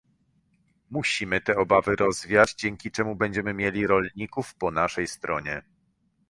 Musimy te obawy rozwiać, dzięki czemu będziemy mieli rolników po naszej stronie